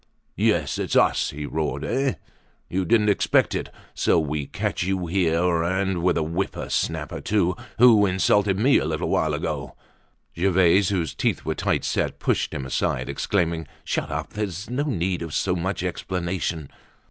"Yes, it's us," he roared. "Eh? You didn't expect it. So we catch you here, and with a whipper snapper, too, who insulted me a little while ago!" Gervaise, whose teeth were tight set, pushed him aside, exclaiming, "Shut up. There's no need of so much explanation."